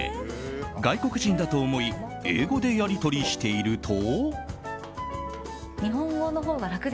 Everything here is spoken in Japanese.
外国人だと思い英語でやり取りしていると。